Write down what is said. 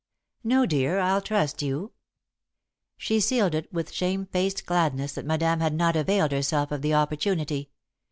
"No, dear. I'll trust you." She sealed it with shamefaced gladness that Madame had not availed herself of the opportunity.